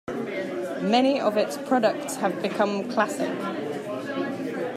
Many of its products have become classic.